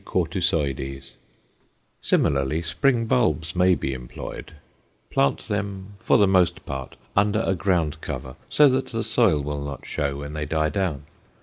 Cortusoides_. Similarly, spring bulbs may be employed; plant them, for the most part, under a ground cover so that the soil will not show when they die down.